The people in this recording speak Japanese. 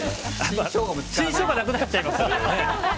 新ショウガがなくなっちゃいます。